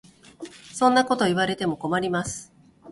そんなこと言われても困ります。